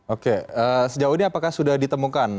oke sejauh ini apakah sudah ditemukan